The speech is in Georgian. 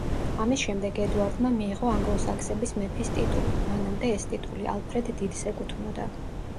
ამის შემდეგ ედუარდმა მიიღო „ანგლო-საქსების მეფის“ ტიტული, მანამდე ეს ტიტული ალფრედ დიდს ეკუთვნოდა.